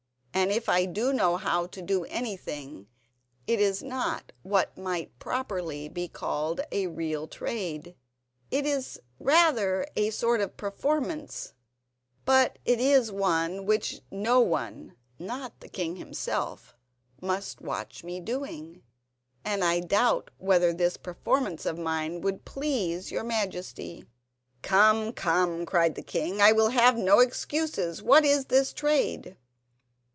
And if I do know how to do anything it is not what might properly be called a real trade—it is rather a sort of performance; but it is one which no one—not the king himself—must watch me doing, and I doubt whether this performance of mine would please your Majesty." "Come, come," cried the king; "I will have no excuses, what is this trade?"